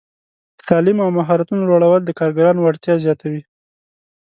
د تعلیم او مهارتونو لوړول د کارګرانو وړتیا زیاتوي.